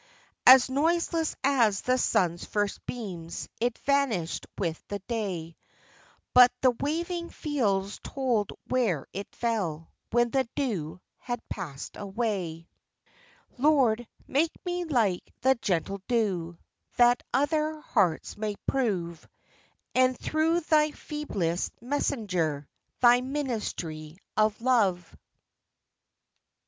As noiseless as the sun's first beams, it vanished with the day; But the waving fields told where it fell, when the dew had passed away. 198 FROM QUEENS' GARDENS. Lord, make me like the gentle dew, that other hearts may prove, E'en through Thy feeblest mesgenger, Thy ministry of love!